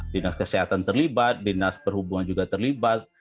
dinas kesehatan terlibat dinas perhubungan juga terlibat